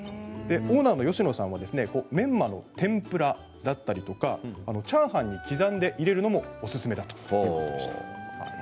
オーナーの吉野さんはメンマの天ぷらだったりチャーハンに刻んで入れるのもおすすめと言っていました。